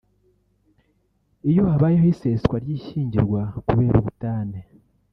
Iyo habayeho iseswa ry’ishyingirwa kubera ubutane